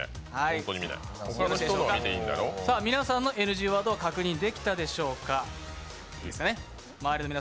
周りの皆さんのＮＧワードを確認できたでしょうか。